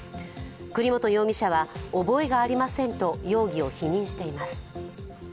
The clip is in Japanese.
栗本容疑者は覚えがありませんと容疑を否認しています。